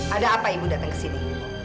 ada apa ibu datang kesini